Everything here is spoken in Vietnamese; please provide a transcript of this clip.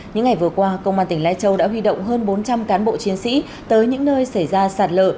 những ngày vừa qua công an tỉnh lai châu đã huy động hơn bốn trăm linh cán bộ chiến sĩ tới những nơi xảy ra sạt lở